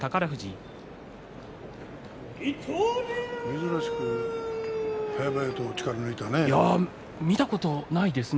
珍しくはやばやと力を抜いたね。